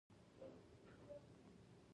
چپه خوله، د غوره شخصیت ښکلا ده.